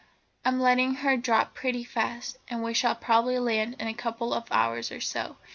I'm letting her drop pretty fast, and we shall probably land in a couple of hours or so.